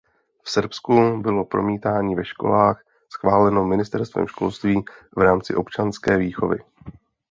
V Srbsku bylo promítání ve školách schváleno Ministerstvem školství v rámci občanské výchovy.